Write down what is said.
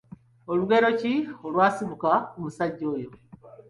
Lugero ki olwasibuka ku musajja oyo?